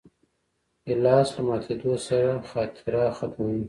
ګیلاس له ماتېدو سره خاطره ختموي.